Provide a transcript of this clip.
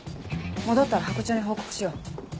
戻ったらハコ長に報告しよう。